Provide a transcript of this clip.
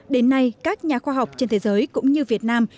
đến nay các nhà khoa học trên thế giới cũng như việt nam